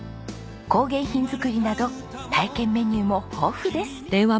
工芸品作りなど体験メニューも豊富です。